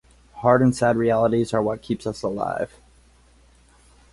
Hard and sad realities are what keeps us alive.